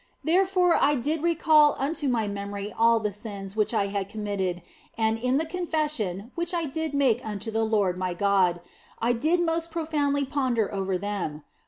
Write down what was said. Therefore I did recall unto my memory all the sins which I had committed and in the confession (which I did make unto the Lord my God) I did most profoundly ponder over them.